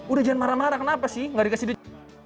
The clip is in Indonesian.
udah jangan marah marah kenapa sih gak dikasih duit